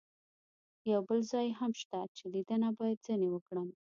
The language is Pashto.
یو بل ځای هم شته چې لیدنه باید ځنې وکړم.